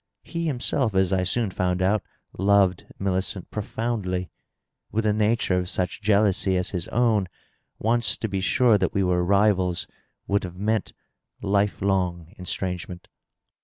He himself, as 1 soon found out, loved Millicent profoundly. With a nature of such jealousy as his own, once to be sure that we were rivals would have meant life long estrangement.